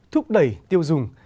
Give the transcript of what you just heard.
thúc đẩy tiêu dùng